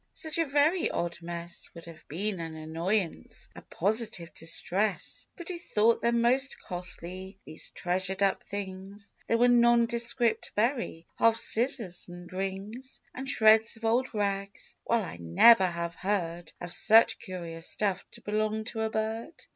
Such a very odd mess Would have been an annoyance, — a positive distress ! But he thought them most costly, these treasured up things ; They were nondescript, very — half scissors and rings, And shreds of old rags. Well, I never have heard Of such curious stuff to belong to a bird